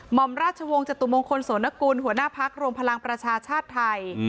หมอมราชวงศ์จตุมงคลโสนกุลหัวหน้าพักรวมพลังประชาชาติไทย